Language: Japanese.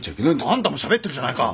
あんたもしゃべってるじゃないか。